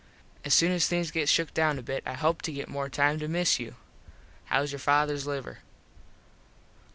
As soon as things get shook down a bit I hope to get more time to miss you. Hows your fathers liver?